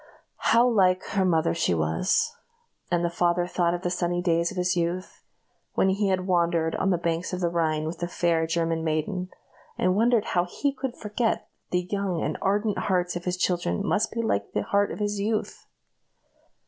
How like her mother she was! and the father thought of the sunny days of his youth, when he had wandered on the banks of the Rhine with the fair German maiden, and wondered how he could forget that the young and ardent hearts of his children must be like the heart of his youth.